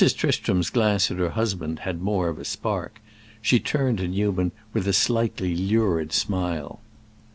Tristram's glance at her husband had more of a spark; she turned to Newman with a slightly lurid smile.